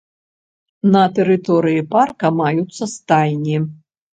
На тэрыторыі парка маюцца стайні.